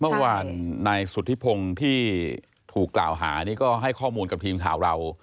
เมื่อวานนายสุธิพงศ์ที่ถูกกล่าวหานี่ก็ให้ข้อมูลกับทีมข่าวเรา